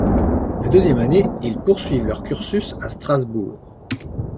La deuxième année, ils poursuivent leur cursus à Strasbourg.